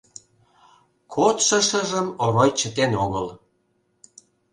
Кодшо шыжым Орой чытен огыл: